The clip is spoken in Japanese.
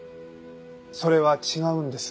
それは違うんです。